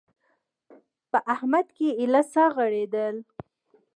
په احمد کې ايله سا غړېده.